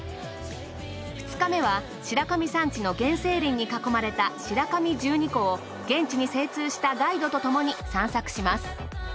２日目は白神山地の原生林に囲まれた白神十二湖を現地に精通したガイドと共に散策します。